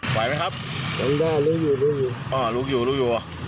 ไหวไหมครับลุกอยู่ลุกอยู่อ่อลุกอยู่ลุกอยู่อ่อ